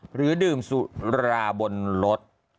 หรือดื่มสุราบนรถ